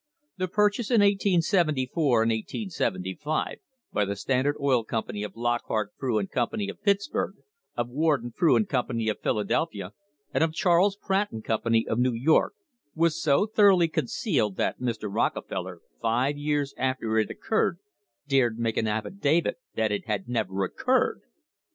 The purchase in 1874 and 1875 by the Standard Oil Company of Lockhart, Frew and Company of Pittsburg, of Warden, Frew and Company of Philadelphia, and of Charles Pratt and Company of New York was so thoroughly concealed that Mr. Rockefeller, five years after it occurred, dared make an affidavit that it had never occurred